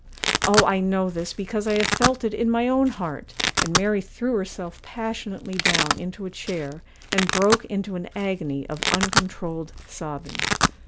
Oh, I know this because I have felt it in my own heart!' and Mary threw herself passionately down into a chair, and broke into an agony of uncontrolled sobbing.